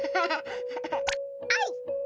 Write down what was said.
あい！